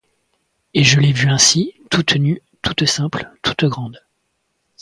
Et je l'ai vue ainsi, toute nue, toute simple, toute grande.